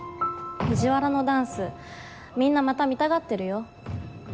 藤原のダンスみんなまた見たがってるよ。